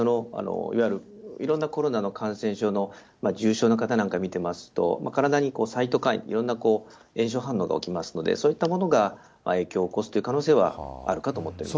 いわゆるいろんなコロナの感染症の方の重症の方なんか見てみますと、体にサイトカイン、いろんな炎症反応が起きますので、そういったものが影響を起こしている可能性があるかとは思っています。